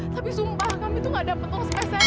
tapi sumpah kami tuh gak dapet dong spesial